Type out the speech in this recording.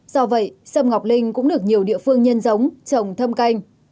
do vậy sâm ngọc linh cũng được nhiều địa phương nhân giống trồng thâm canh